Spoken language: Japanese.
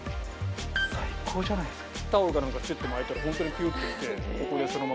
最高じゃないっすか。